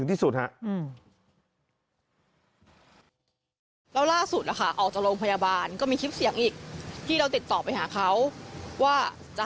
โทรศัพท์โทรศัพท์โทรศัพท์โทรศัพท์